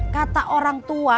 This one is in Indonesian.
kata orang tua